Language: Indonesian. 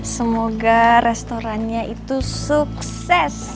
semoga restorannya itu sukses